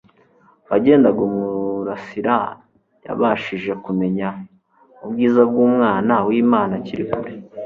wagendaga umurasira, yabashije kumenya ubwiza bw'Umwana w'Imana akiri kure.